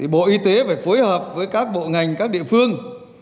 bộ y tế phải phối hợp với các bộ ngành các địa phương